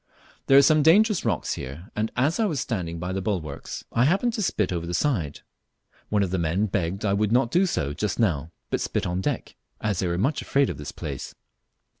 There are some dangerous rocks here, and as I was standing by the bulwarks, I happened to spit over the side; one of the men begged I would not do so just now, but spit on deck, as they were much afraid of this place.